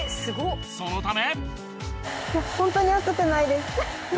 そのため。